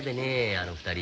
あの２人。